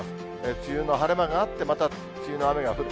梅雨の晴れ間があって、また梅雨の雨が降る。